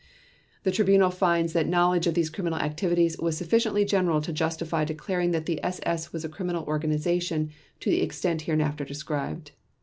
The Tribunal finds that knowledge of these criminal activities was sufficiently general to justify declaring that the SS was a criminal organization to the extent hereinafter described.